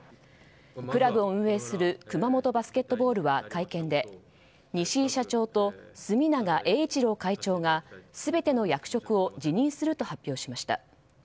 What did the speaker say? クラブを運営する熊本バスケットボールは会見で、西井社長と住永栄一郎会長が全ての役職を辞任すると発表しました。